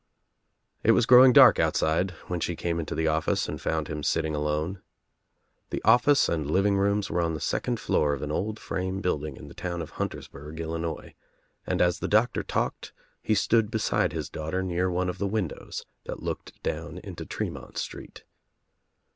It was growing dark outside when she came into the office and found him sitting alone. The office and living rooms were on the second floor of an old frame building in the town of Huntersburg, Illinois, and as the Doctor talked he stood beside his daughter near Lone of the windows that looked down into Tremont JBtrcet.